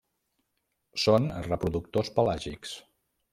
Són reproductors pelàgics.